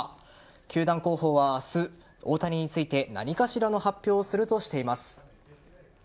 球団広報は明日大谷について何かしらの発表をするとしています。